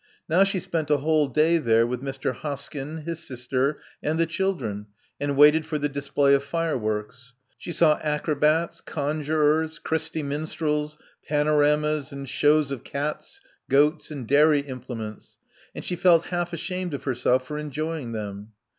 Now she spent a whole day there with Mr. Hosk)m, his sister, and the children, and waited for the display of fireworks. She saw acrobats, ^. conjurors, Christy Minstrels, panoramas, and shows of ^r cats, goats, and dairy implements; and she felt half ashamed of herself for enjoying them.